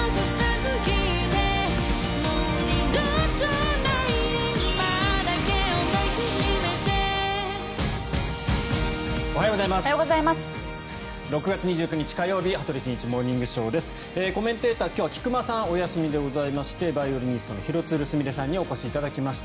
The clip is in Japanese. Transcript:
コメンテーター、今日は菊間さん、お休みでございましてバイオリニストの廣津留すみれさんにお越しいただきました。